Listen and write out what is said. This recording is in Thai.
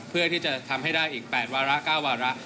เพื่อที่จะทำให้ได้อีก๘วาระ๙วาระ